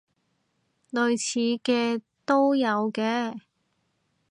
類似嘅都有嘅